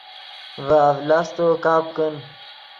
ڤے اڤلاستو کپ کن